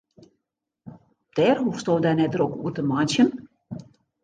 Dêr hoechsto dy net drok oer te meitsjen.